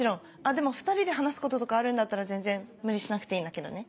でも２人で話すこととかあるんだったら全然無理しなくていいんだけどね。